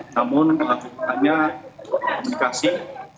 namun dalam kebetulan komunikasi masih berjalan